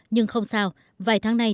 nhưng không sao vài tháng nay